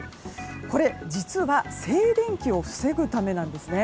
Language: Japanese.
これ実は静電気を防ぐためなんですね。